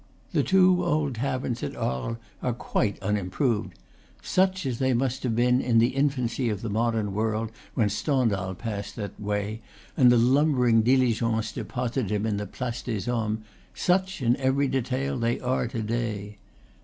The two old taverns at Arles are quite unimproved; such as they must have been in the infancy of the modern world, when Stendhal passed that way, and the lum bering diligence deposited him in the Place des Hommes, such in every detail they are to day.